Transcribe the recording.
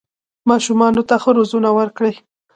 ماشومانو ته ښه روزنه ورکړئ